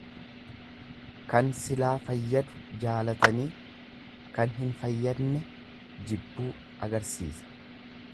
Kan silaa fayyadu jaalatanii kan hin fayyadne jibbuu agarsiisa.